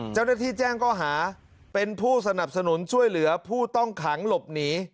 เจ้าหน้าที่แจ้งข้อหาเป็นผู้สนับสนุนช่วยเหลือผู้ต้องขังหลบหนี